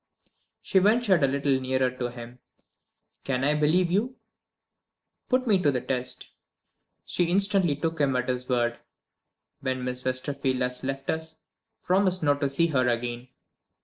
She ventured a little nearer to him. "Can I believe you?" "Put me to the test." She instantly took him at his word. "When Miss Westerfield has left us, promise not to see her again."